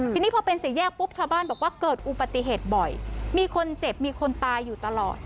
ทีนี้พอเป็นสี่แยกปุ๊บชาวบ้านบอกว่าเกิดอุบัติเหตุบ่อยมีคนเจ็บมีคนตายอยู่ตลอด